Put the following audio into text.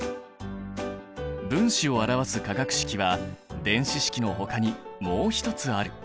分子を表す化学式は電子式のほかにもう一つある。